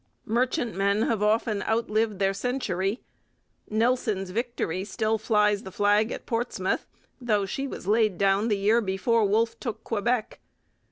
Merchantmen have often outlived their century. Nelson's Victory still flies the flag at Portsmouth, though she was laid down the year before Wolfe took Quebec.